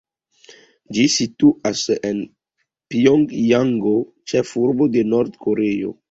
Ĝi situas en Pjongjango, ĉefurbo de Nord-Koreio.